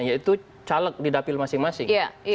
yaitu caleg di dapil masing masing